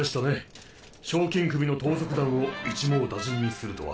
賞金首の盗賊団を一網打尽にするとは。